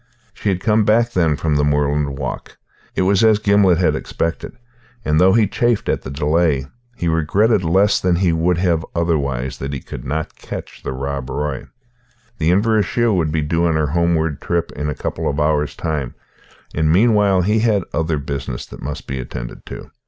She had come back, then, from her moorland walk. It was as Gimblet had expected; and, though he chafed at the delay, he regretted less than he would have otherwise that he could not catch the Rob Roy. The Inverashiel would be due on her homeward trip in a couple of hours' time, and meanwhile he had other business that must be attended to.